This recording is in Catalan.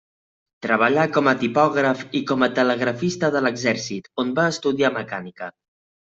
Treballà com a tipògraf i com a telegrafista de l'exèrcit, on va estudiar mecànica.